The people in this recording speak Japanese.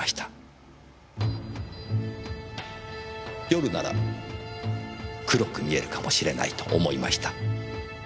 夜なら黒く見えるかもしれないと思いました。